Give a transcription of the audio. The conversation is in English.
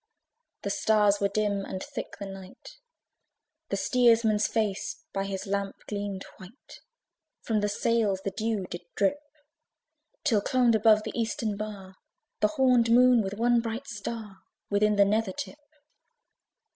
The stars were dim, and thick the night, The steersman's face by his lamp gleamed white; From the sails the dew did drip Till clombe above the eastern bar The horned Moon, with one bright star Within the nether tip.